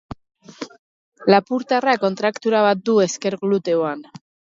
Lapurtarra kontraktura bat du ezker gluteoan.